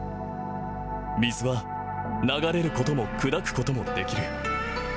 水は流れることも、砕くこともできる。